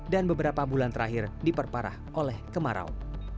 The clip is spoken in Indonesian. dan beberapa bulan terakhir diperparah oleh kemarau